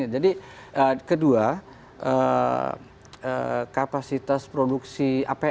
jadi kedua kapasitas produksi apm